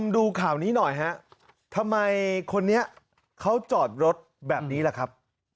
ดูข่าวนี้หน่อยฮะทำไมคนนี้เขาจอดรถแบบนี้ล่ะครับ